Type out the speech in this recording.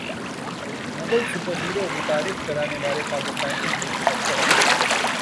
Mughal superheroes متعارف کرانے والے پاکستانی امریکی ڈاکٹر